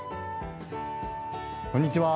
こんにちは。